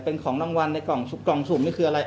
เป็นของรางวัลในกล่องสุ่มนี่คืออะไร